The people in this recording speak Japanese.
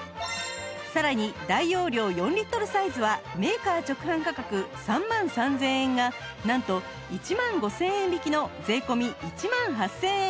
さらに大容量４リットルサイズはメーカー直販価格３万３０００円がなんと１万５０００円引きの税込１万８０００円！